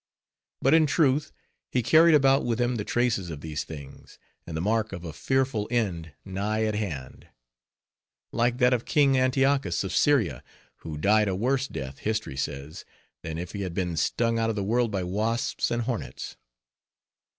But in truth, he carried about with him the traces of these things, and the mark of a fearful end nigh at hand; like that of King Antiochus of Syria, who died a worse death, history says, than if he had been stung out of the world by wasps and hornets.